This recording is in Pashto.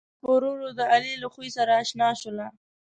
ساره پّ ورو ورو د علي له خوي سره اشنا شوله